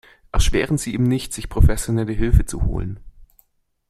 Erschweren Sie ihm nicht, sich professionelle Hilfe zu holen.